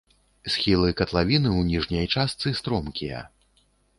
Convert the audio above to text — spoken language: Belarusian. Схілы катлавіны ў ніжняй частцы стромкія.